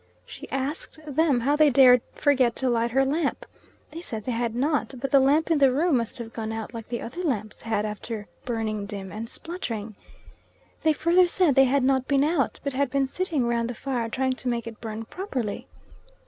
She asked them how they dared forget to light her lamp; they said they had not, but the lamp in the room must have gone out like the other lamps had, after burning dim and spluttering. They further said they had not been out, but had been sitting round the fire trying to make it burn properly.